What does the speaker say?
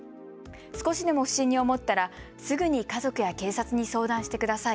少しでも不審に思ったらすぐに家族や警察に相談してください。